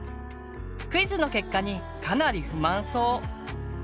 クイズの結果にかなり不満そう。